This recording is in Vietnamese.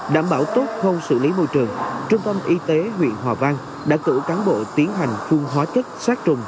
đảm bảo tốt không xử lý môi trường trung tâm y tế huyện hòa vang đã cử cán bộ tiến hành phun hóa chất sát trùng